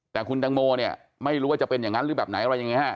แต่คุณดังโมเนี่ยไม่รู้ว่าจะเป็นยังนะหรือแบบไหนอะไรอย่างเงี้ย